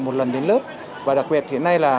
một lần đến lớp và đặc biệt hiện nay là